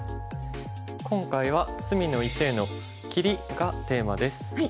今回は隅の石へのキリがテーマです。